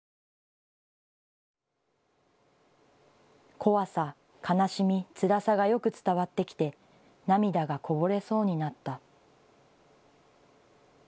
怖さ、悲しみ、つらさがよく伝わってきて涙がこぼれそうになった。